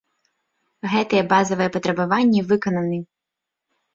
Гэтыя базавыя патрабаванні выкананы.